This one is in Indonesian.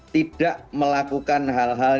tidak melakukan hal hal